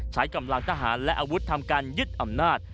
ใช้กำลังทหารและอาวุธทำการยึดอำนาจ